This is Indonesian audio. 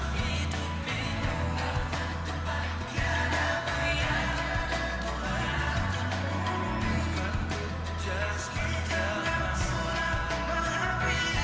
mewakili panglima angkatan bersenjata singapura